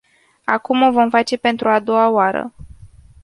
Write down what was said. Acum o vom face pentru a doua oară.